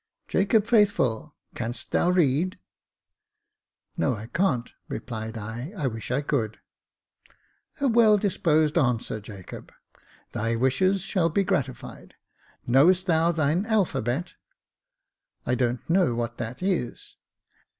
"Jacob Faithful, canst thou read?" No, I can't," replied I :I wish I could." " A well disposed answer, Jacob ; thy wishes shall be gratified. Knowest thou thine alphabet ?"" I don't know what that is."